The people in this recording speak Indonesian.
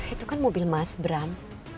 itu kan mobil mas bram